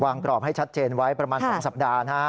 กรอบให้ชัดเจนไว้ประมาณ๒สัปดาห์นะฮะ